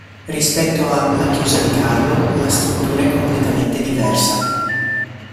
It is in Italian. Rispetto a "La Chiusa di Carlo" la struttura è completamente diversa.